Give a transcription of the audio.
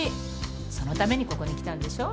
そのためにここに来たんでしょ。